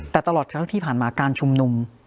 แต่ตลอดทั้งที่ผ่านมาการชุมนุม